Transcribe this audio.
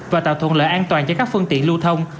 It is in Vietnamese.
và tạo thuận lợi an toàn cho các phương tiện lưu thông